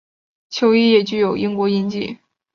球衣也具有英国印记。